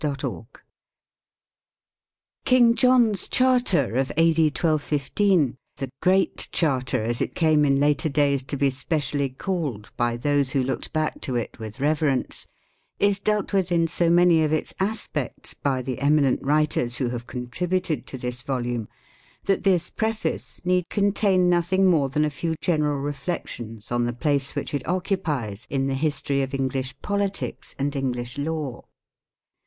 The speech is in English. D.C.L. KING JOHN'S Charter of A.D. 1215, the Great Charter as it came in later days to be specially called by those who looked back to it with reverence, is dealt with in so many of its aspects by the eminent writers who have contributed to this volume that this preface need contain nothing more than a few general reflections on the place which it occupies in the history of English politics and English law.